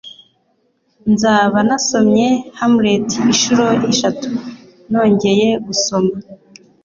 Nzaba nasomye Hamlet inshuro eshatu nongeye gusoma.